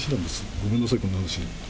ごめんなさい、こんな話。